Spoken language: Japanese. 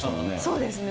そうですね。